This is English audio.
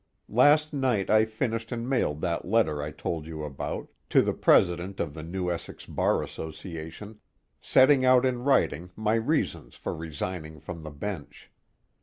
Last night I finished and mailed that letter I told you about, to the president of the New Essex Bar Association, setting out in writing my reasons for resigning from the bench.